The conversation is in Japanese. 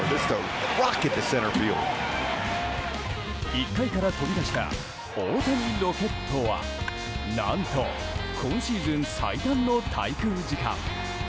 １回から飛び出した大谷ロケットは何と、今シーズン最短の滞空時間。